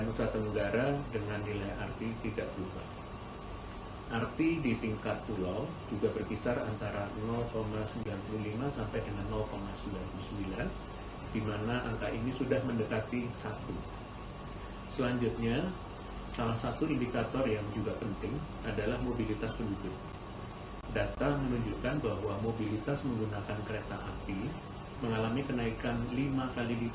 kontak erat dan pada hari kelima karantina atau exit test untuk melihat apakah virus terdeteksi